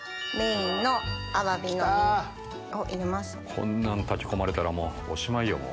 こんなん炊き込まれたらおしまいよもう。